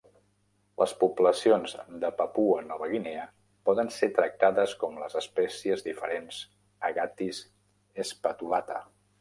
Les poblacions de Papua Nova Guinea poden ser tractades com les espècies diferents Agathis spathulata.